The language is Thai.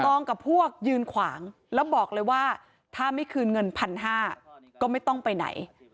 องกับพวกยืนขวางแล้วบอกเลยว่าถ้าไม่คืนเงิน๑๕๐๐ก็ไม่ต้องไปไหน